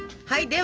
はい。